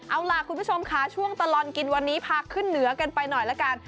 เอาล่ะคุณผู้ชมค่ะช่วงตลอดกินวันนี้พาขึ้นเหนือกันไปหน่อยละกัน